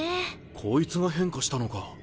こいつが変化したのか。